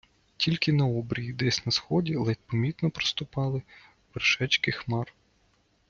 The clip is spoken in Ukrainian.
Тільки на обрії, десь на сході, ледь помітно проступали вершечки хмар.